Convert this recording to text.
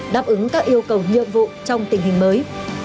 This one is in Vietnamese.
đáp ứng các yêu cầu nhiệm vụ trong tình hình mới